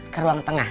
ke ruang tengah